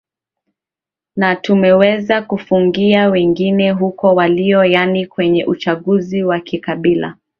natumeweza kuwafungia wengine huko waliko yaani kwenye uchanguzi wa kikabila